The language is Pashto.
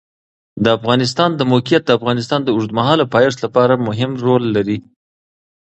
د افغانستان د موقعیت د افغانستان د اوږدمهاله پایښت لپاره مهم رول لري.